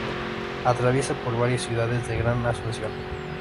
Atraviesa por varias ciudades del Gran Asunción.